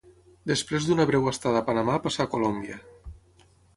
Després d'una breu estada a Panamà passà a Colòmbia.